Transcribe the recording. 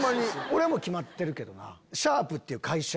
俺はもう決まってるけどな。